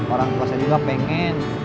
orang tua saya juga pengen